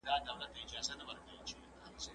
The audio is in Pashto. ولي په کندهار کي د صنعت لپاره د بازار اړتیا ده؟